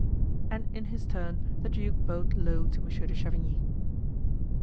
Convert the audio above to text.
And in his turn the duke bowed low to Monsieur de Chavigny.